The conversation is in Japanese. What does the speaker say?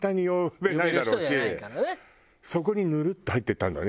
そこにぬるっと入っていったんだね